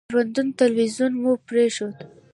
ژوندون تلویزیون مو پرېښود.